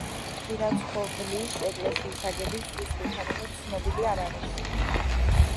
კვირაცხოვლის ეკლესიის აგების ზუსტი თარიღი ცნობილი არ არის.